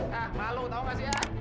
nah malu tahu gak sih ya